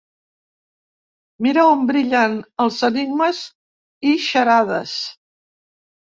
Mira on brillen els enigmes i xarades!